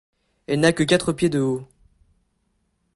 Elle n’a que quatre pieds de haut.